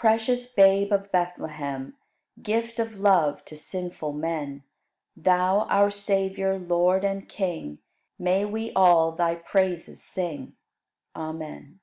100. Precious Babe of Bethlehem, Gift of love to sinful men, Thou, our Savior, Lord, and King May we all Thy praises sing! Amen.